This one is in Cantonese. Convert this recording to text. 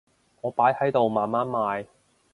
我擺喺度慢慢賣